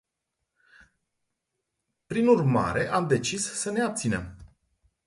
Prin urmare, am decis să ne abținem.